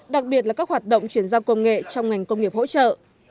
đặc biệt là các hoạt động chuyển giao công nghệ trong ngành công nghiệp hỗ trợ